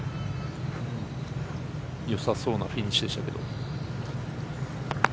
よさそうなフィニッシュでしたけど。